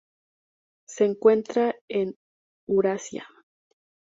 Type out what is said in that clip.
Se encuentran en Eurasia.